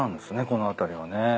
この辺りはね。